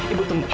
ibu nggak mau